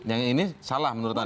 yang ini salah menurut anda